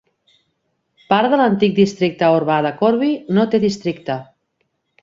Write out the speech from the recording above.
Part de l'antic districte urbà de Corby no té districte.